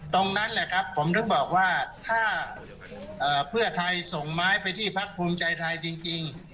ตรงนั้นแหละครับผมถึงบอกว่าถ้าเพื่อไทยส่งไม้ไปที่พักภูมิใจไทยจริง